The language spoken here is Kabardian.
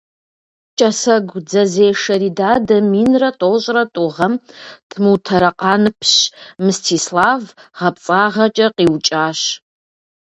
КӀэсэгу дзэзешэ Ридадэ минрэ тӏощӏрэ тӏу гъэм тмутэрэкъаныпщ Мстислав гъэпцӀагъэкӀэ къиукӀащ.